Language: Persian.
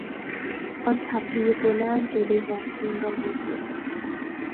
آن تپهی بلند جلو نسیم را میگیرد.